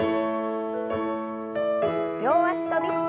両脚跳び。